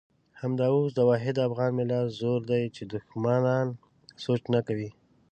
همدا اوس د واحد افغان ملت زور دی چې دښمنان سوچ نه کوي.